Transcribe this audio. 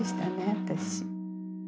私。